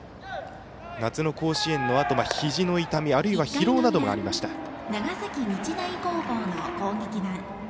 夏の甲子園のあと、ひじの痛みあるいは疲労などがありました。